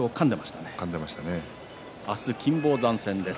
明日は金峰山戦です。